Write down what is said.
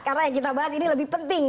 karena yang kita bahas ini lebih penting